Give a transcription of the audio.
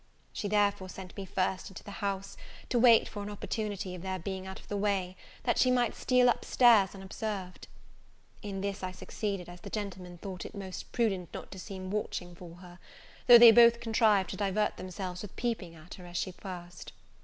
She therefore sent me first into the house, to wait for an opportunity of their being out of the way, that she might steal up stairs unobserved. In this I succeeded, as the gentlemen thought it most prudent not to seem watching for her; though they both contrived to divert themselves with peeping at her as she passed.